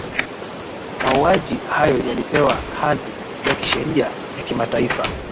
mauaji hayo yalipewa hadhi ya kisheria ya kimataifa